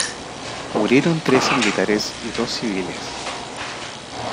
Murieron trece militares y dos civiles.